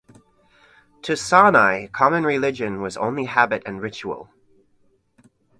To Sanai common religion was only habit and ritual.